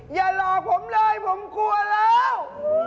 อย่าหลอกผมเลยผมกลัวแล้ว